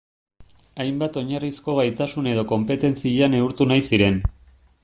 Hainbat oinarrizko gaitasun edo konpetentzia neurtu nahi ziren.